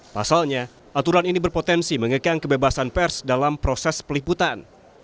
pasalnya aturan ini berpotensi mengekang kebebasan pers dalam proses peliputan